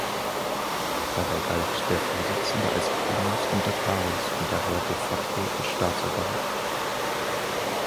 Dabei galt der Vorsitzende als "primus inter pares" und daher de facto als Staatsoberhaupt.